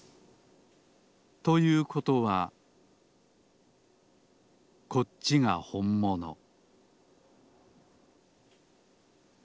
ということはこっちがほんもの